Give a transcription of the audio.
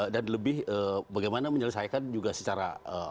dan lebih bagaimana menyelesaikan juga secara